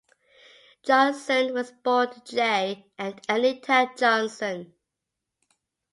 Johnson was born to Jay and Anita Johnson.